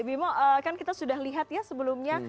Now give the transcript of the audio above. bimo kan kita sudah lihat ya sebelumnya